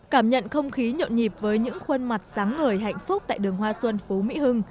cảm nhận không khí nhộn nhịp với những khuôn mặt sáng ngời hạnh phúc tại đường hoa xuân phú mỹ hưng